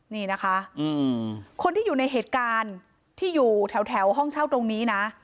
นี่นะคะคนที่อยู่ในเหตุการณ์ที่อยู่แถวห้องเช่าตรงนี้นะ